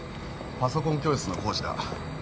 パソコン教室の講師だ。